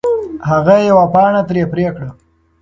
هغه یوه پاڼه ترې پرې کړه.